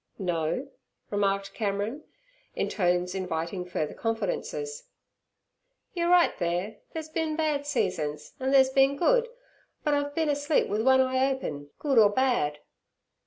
'No?' remarked Cameron, in tones inviting further confidences. 'Yer right theere; theere's bin bad seasons, and theere's bin good, but I've bin asleep with one eye open, good or bad.'